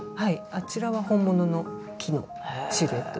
あちらは本物の木のシルエットです。